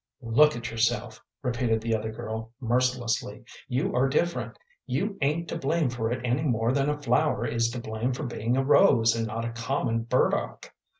"Look at yourself," repeated the other girl, mercilessly. "You are different. You ain't to blame for it any more than a flower is to blame for being a rose and not a common burdock.